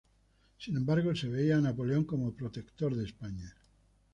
Sin embargo, se veía a Napoleón como protector de España.